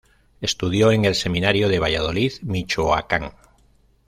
Estudió en el Seminario de Valladolid, Michoacán.